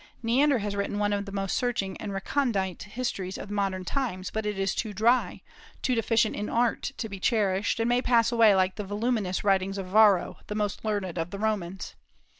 Neander has written one of the most searching and recondite histories of modern times; but it is too dry, too deficient in art, to be cherished, and may pass away like the voluminous writings of Varro, the most learned of the Romans.